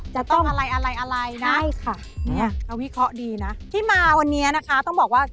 จะต้องใช่ค่ะนี้เราวิเคราะห์ดีนะที่มาวันนี้นะคะต้องบอกว่า